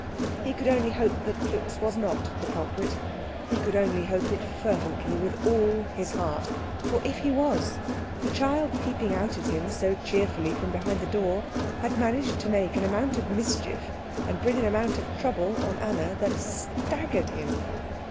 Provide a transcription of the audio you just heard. He could only hope that Klutz was not the culprit, he could only hope it fervently with all his heart; for if he was, the child peeping out at him so cheerfully from behind the door had managed to make an amount of mischief and bring an amount of trouble on Anna that staggered him.